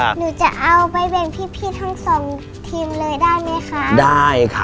หนูจะเอาไปแบ่งพี่ทั้งสองทีมเลยได้ไหมคะ